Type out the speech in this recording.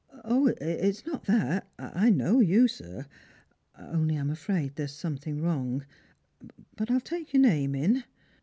" Oh, it's not that — I know you, sir, only I'm afraid there's something wroag. But I'll take your name in."